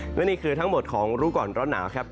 และนี่คือทั้งหมดของรู้ก่อนร้อนหนาวครับ